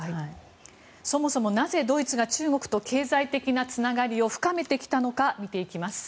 そもそもなぜ、ドイツが中国と経済的なつながりを深めてきたのか見ていきます。